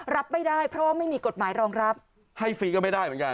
รับไม่ได้เพราะว่าไม่มีกฎหมายรองรับให้ฟรีก็ไม่ได้เหมือนกัน